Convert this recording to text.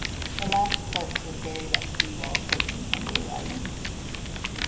The last corpse was buried at sea while approaching Kangaroo Island.